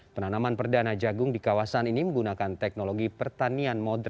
penanaman perdana jagung di kawasan ini menggunakan teknologi pertanian modern